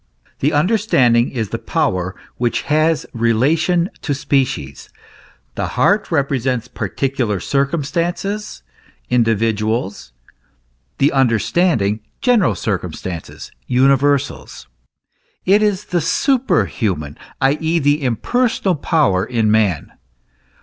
The under c 3 THE ESSENCE OF CHRISTIANITY. standing is the power which has relation to species : the heart represents particular circumstances, individuals, the under standing, general circumstances, universals ; it is the super human, i.e., the impersonal power in man.